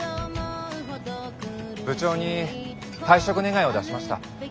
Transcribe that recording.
部長に退職願を出しました。